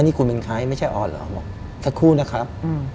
นี่คุณเป็นใครไม่ใช่ออสเหรอบอกสักครู่นะครับ